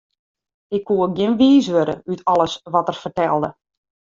Ik koe gjin wiis wurde út alles wat er fertelde.